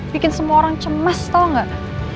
bikin semua orang cemas tau gak